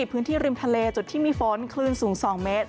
พื้นที่ริมทะเลจุดที่มีฝนคลื่นสูง๒เมตร